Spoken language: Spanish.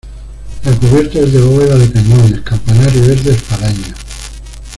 La cubierta es de bóveda de cañón y el campanario es de espadaña.